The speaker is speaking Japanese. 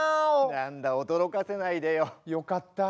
何だ驚かせないでよ。よかった。